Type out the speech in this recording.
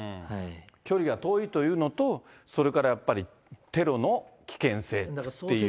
距離が遠いというのと、それからやっぱり、テロの危険性っていう。